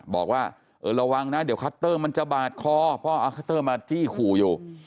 บอกว่าเออระวังนะเดี๋ยวคัตเตอร์มันจะบาดคอเพราะเอาคัตเตอร์มาจี้ขู่อยู่